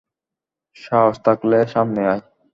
সাহস থাকলে সামনে আয়।